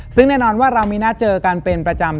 ซึ่งแน่นอนว่าเรามีนัดเจอกันเป็นประจำ